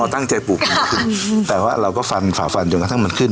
ตั้งใจปลูกแล้วจับไม่ขึ้น